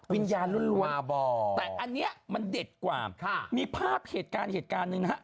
วิญญาณล้วนแต่อันนี้มันเด็ดกว่ามีภาพเหตุการณ์เหตุการณ์หนึ่งนะฮะ